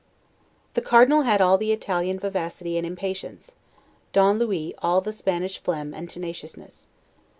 The Cardinal had all the Italian vivacity and impatience; Don Louis all the Spanish phlegm and tenaciousness.